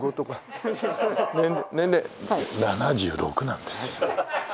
７６なんですよ。